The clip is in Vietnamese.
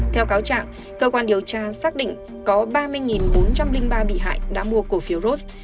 theo cáo trạng cơ quan điều tra xác định có ba mươi bốn trăm linh ba bị hại đã mua cổ phiếu ros